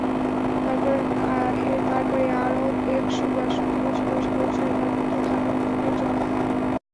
তারপর য়ারদ একশ বাষট্টি বছর বয়সে পৌঁছুলে তাঁর পুত্র খানূখ-এর জন্ম হয়।